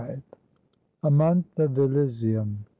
A MONTH of Elysium.